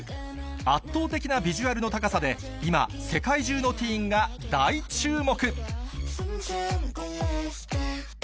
圧倒的なヴィジュアルの高さで今、世界中のティーンが大注目。